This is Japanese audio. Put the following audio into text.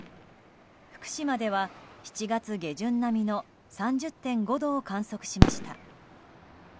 福島では７月下旬並みの３０．５度を観測しました。